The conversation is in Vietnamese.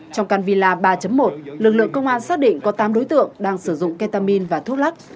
trong can villa ba một lực lượng công an xác định có tám đối tượng đang sử dụng ketamin và thuốc lắc